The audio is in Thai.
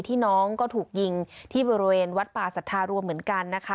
น้องก็ถูกยิงที่บริเวณวัดป่าสัทธารวมเหมือนกันนะคะ